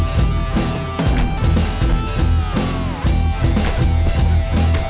likut gue kita ke dia